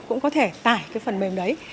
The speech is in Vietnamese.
cũng có thể tải phần mềm đấy